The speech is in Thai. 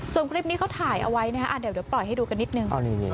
ส่วนคลิปนี้เขาถ่ายเอาไว้นะฮะเดี๋ยวปล่อยให้ดูกันนิดนึง